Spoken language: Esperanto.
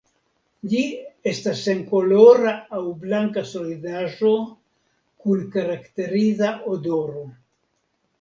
Ĝi estas senkolora aŭ blanka solidaĵo kun karakteriza odoro.